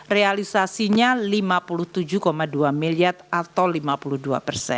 realisasinya lima puluh tujuh dua miliar atau lima puluh dua persen